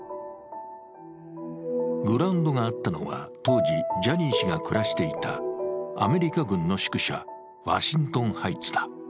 グラウンドがあったのは当時ジャニー氏が暮らしていたアメリカ軍の宿舎ワシントンハイツだ。